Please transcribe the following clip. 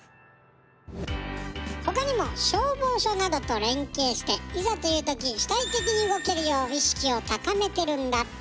ほかにも消防署などと連携していざという時主体的に動けるよう意識を高めてるんだって。